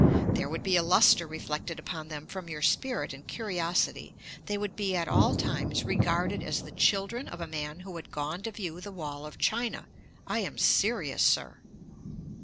There would be a lustre reflected upon them from your spirit and curiosity. They would be at all times regarded as the children of a man who had gone to view the wall of China. I am serious, Sir."'